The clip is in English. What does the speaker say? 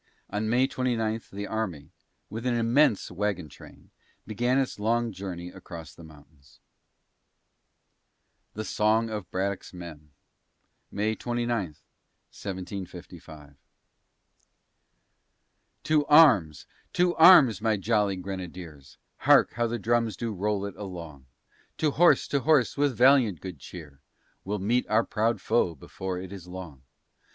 On May 29 the army, with an immense wagon train, began its long journey across the mountains. THE SONG OF BRADDOCK'S MEN [May 29, 1755] To arms, to arms! my jolly grenadiers! Hark, how the drums do roll it along! To horse, to horse, with valiant good cheer; We'll meet our proud foe before it is long.